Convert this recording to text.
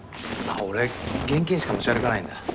俺現金しか持ち歩かないんだ。